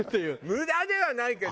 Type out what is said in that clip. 無駄ではないけど。